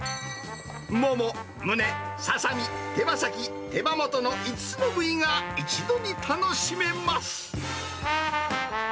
もも、胸、ササミ、手羽先、手羽元の５つの部位が一度に楽しめます。